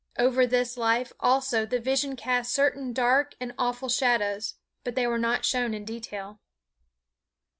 Over this life also the vision cast certain dark and awful shadows but they were not shown in detail.